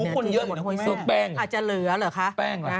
ที่ปริมทรารมน์โมยทไซป์อาจจะเหลือล่ะครับ